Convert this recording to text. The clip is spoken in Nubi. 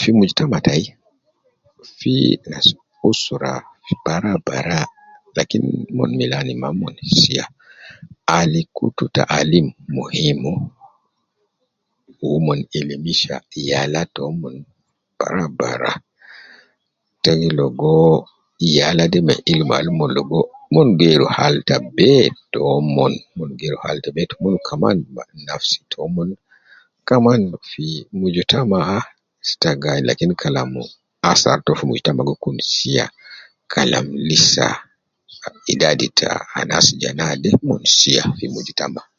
"Fi mijitama""a tayi, fi usra fi barawu barawu, lakin umon. Milan mma , umon siya al kutu taalim muhim. Umon gi ilimisha yala toomon barawu barawu. Ita gi logo ma ilmu al umon logo geeru hal ta be toomon, umon . geeru hal ta be toomon . Kaman ma nafsi toomon, kaman fi mujitama,""a. Ita gi ayinu kalam, athar fi mujtama""a gi kun siya yan lisa idadi ta anas je naade siya fi mujitama""a. "